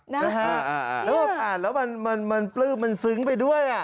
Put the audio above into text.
นะฮะแล้วมันปลื้มมันซึ้งไปด้วย